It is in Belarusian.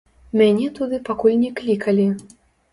Мяне туды пакуль не клікалі.